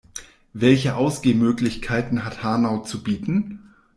Welche Ausgehmöglichkeiten hat Hanau zu bieten?